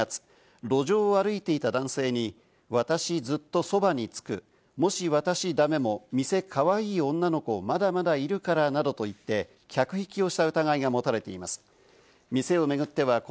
容疑者と、中国人の元従業員の女の２人はことし６月、路上を歩いていた男性に、私ずっとそばにつく、もし私ダメも店、かわいい女の子、まだまだいるからなどと言って、客引きをした疑いが持たれています。